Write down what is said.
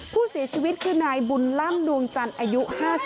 ผู้เสียชีวิตคือนายบุญล่ำดวงจันทร์อายุ๕๓